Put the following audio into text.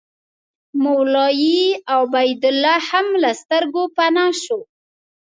مولوي عبیدالله هم له سترګو پناه شو.